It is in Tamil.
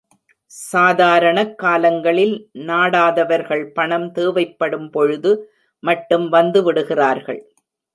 சாதாரணக் காலங்களில் நாடாதவர்கள் பணம் தேவைப்படும்பொழுது மட்டும் வந்துவிடுகிறார்கள்.